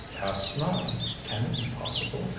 "Past nine! Can it be possible?